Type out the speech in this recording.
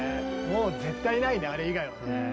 もう絶対ないねあれ以外はね。